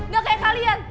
gak kayak kalian